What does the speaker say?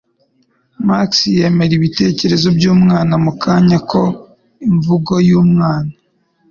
Max yemera ibitekerezo byumwana, mukanya ko imvugo yumwana